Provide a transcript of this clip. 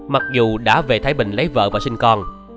mặc dù đã về thái bình lấy vợ và sinh con